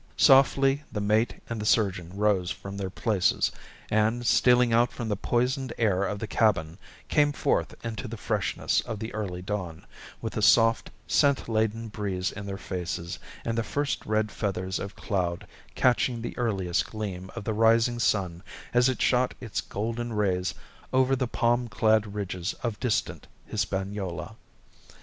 Softly the mate and the surgeon rose from their places, and stealing out from the poisoned air of the cabin, came forth into the freshness of the early dawn, with the soft, scent laden breeze in their faces and the first red feathers of cloud catching the earliest gleam of the rising sun as it shot its golden rays over the palm clad ridges of distant Hispaniola.